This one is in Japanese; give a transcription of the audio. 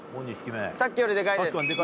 さっきよりデカいです。